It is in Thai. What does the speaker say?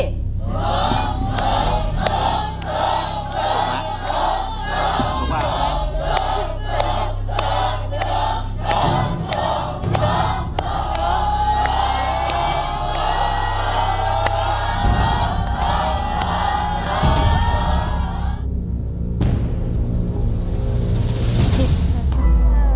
สบายสบายสบาย